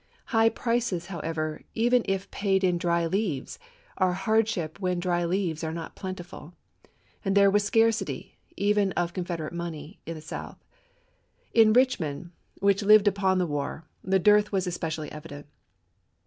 High prices, however, even if paid in dry leaves, are a hardship when dry leaves are not plentiful ; and there was scarcity, even of Confederate money, in the South. In Richmond, which lived upon the war, the dearth was especially evident.